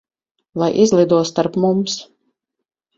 Lai izlido starp mums.